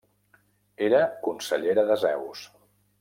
Era consellera de Zeus.